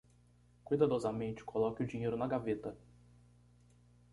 Cuidadosamente coloque o dinheiro na gaveta